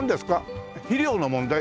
肥料の問題？